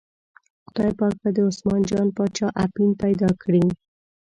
خدای پاک به د عثمان جان باچا اپین پیدا کړي.